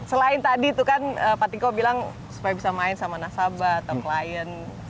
selain tadi itu kan pak tiko bilang supaya bisa main sama nasabah atau klien